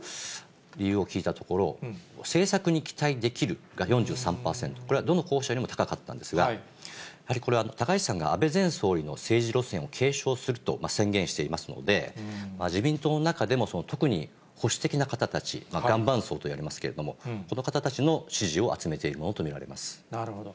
理由を聞いたところ、政策に期待できるが４３％、これはどの候補者よりも高かったんですが、やはりこれは高市さんが安倍前総理の政治路線を継承すると宣言していますので、自民党の中でも特に保守的な方たち、岩盤層といわれますけれども、その方たちの支持を集めているもなるほど。